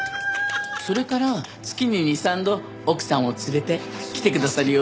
それから月に２３度奥さんを連れて来てくださるようになって。